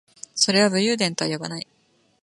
それは武勇伝とは呼ばない